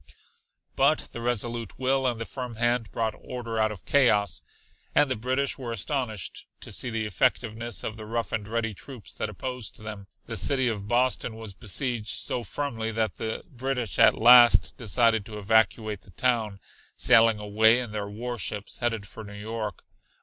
But the resolute will and the firm hand brought order out of chaos, and the British were astonished to see the effectiveness of the rough and ready troops that opposed them. The city of Boston was besieged so firmly that the British at last decided to evacuate the town, sailing away in their warships, headed for New York.